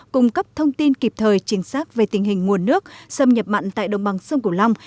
cung cấp thông tin kịp thời chính xác về tình hình nguồn nước xâm nhập mặn tại đồng bằng sông cửu long